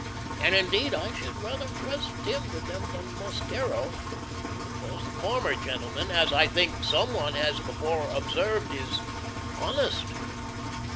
and indeed I should rather trust him with them than Mosquero, because the former gentleman, as I think some one has before observed, is "honest."